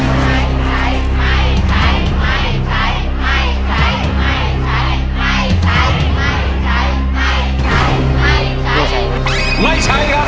ใช้ใช้ไม่ใช้ไม่ใช้ไม่ใช้ไม่ใช้ไม่ใช้ไม่ใช้ไม่ใช้ไม่ใช้ไม่ใช้ครับ